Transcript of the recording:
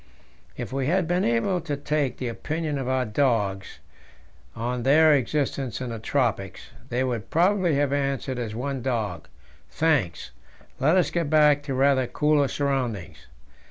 If we had been able to take the opinion of our dogs on their existence in the tropics, they would probably have answered as one dog: "Thanks, let us get back to rather cooler surroundings."